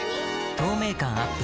透明感アップ